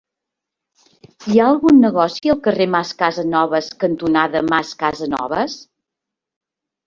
Hi ha algun negoci al carrer Mas Casanovas cantonada Mas Casanovas?